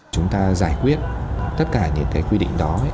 chúng ta giải quyết tất cả những cái quy định đó